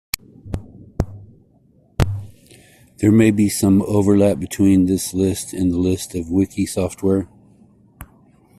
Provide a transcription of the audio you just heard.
There may be some overlap between this list and the list of wiki software.